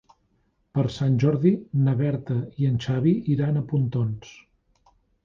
Per Sant Jordi na Berta i en Xavi iran a Pontons.